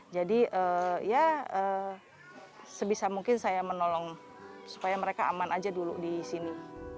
jadi ya sebisa mungkin saya menolong supaya mereka aman aja dulu di sini